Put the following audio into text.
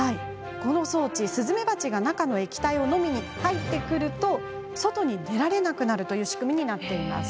この装置、スズメバチが中の液体を飲みに入ってくると外に出られなくなる仕組みになっています。